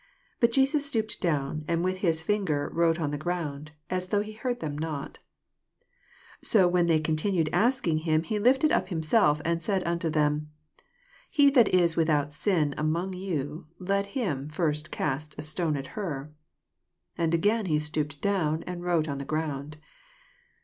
But Jesus stooped down, and with his finger wrote on the ground, aa though he heard them not. 7 So when they oontinued asking him, he lifted up himself, and said unto them. He that is without sin among you, let him first oast a stone at her. 8 And again he stooped down, and wrote on the ground.